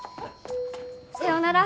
さようなら。